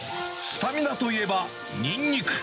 スタミナといえばニンニク。